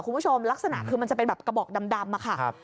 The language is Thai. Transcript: คุณผู้ชมลักษณะคือมันจะเป็นแบบกระบอกดำดำอ่ะค่ะครับ